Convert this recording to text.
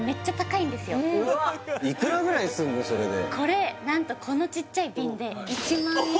これ何とこのちっちゃい瓶で１万円